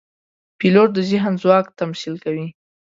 پیلوټ د ذهن ځواک تمثیل کوي.